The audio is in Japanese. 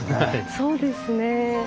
そうですね。